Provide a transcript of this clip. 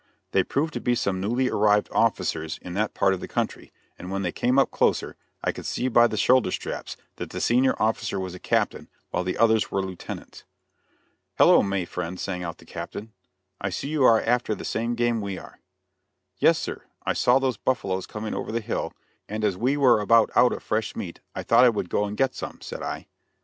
They proved to be some newly arrived officers in that part of the country, and when they came up closer, I could see by the shoulder straps that the senior officer was a captain, while the others were lieutenants. "Hello! may friend," sang out the captain, "I see you are after the same game we are." "Yes, sir; I saw those buffaloes coming over the hill, and as we were about out of fresh meat I thought I would go and get some," said I.